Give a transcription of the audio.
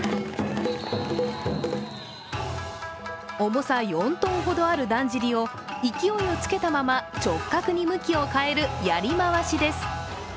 重さ４ｔ程あるだんじりを、勢いをつけたまま直角に向きを変えるやりまわしです。